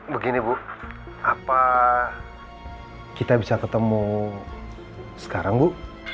begini bu apa kita bisa ketemu sekarang bu